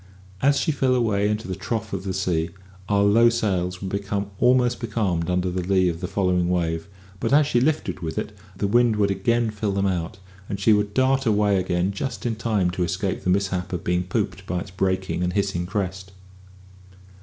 As she fell away into the trough of the sea, our low sails would become almost becalmed under the lee of the following wave; but as she lifted with it, the wind would again fill them out, and she would dart away again just in time to escape the mishap of being pooped by its breaking and hissing crest.